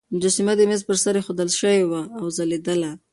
مجسمه د مېز پر سر ایښودل شوې وه او ځلېدله.